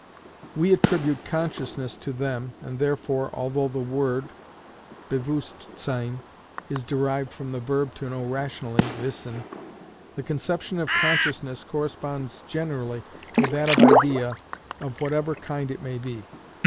We attribute consciousness to them, and therefore although the word (bewusstsein) is derived from the verb to know rationally (wissen), the conception of consciousness corresponds generally with that of idea of whatever kind it may be.